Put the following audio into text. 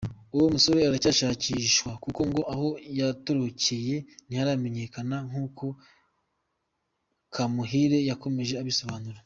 Uwo musore aracyashakishwa kuko ngo aho yatorokeye ntiharamenyekana nk’uko Kamuhire yakomeje abisobanura.